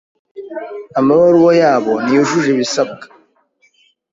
Amabaruwa yabo ntiyujuje ibisabwa.